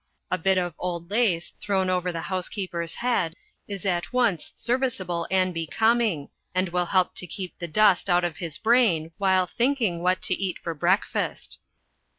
A bit of old lace thrown over the housekeeper's head is at once serviceable and becoming and will help to keep the dust out of his brain while thinking what to eat for breakfast.